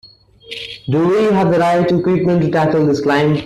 Do we have the right equipment to tackle this climb?